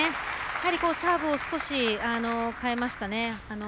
やはりサーブを少し変えましたね。